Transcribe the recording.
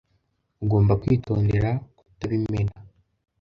Ugomba kwitondera kutabimena.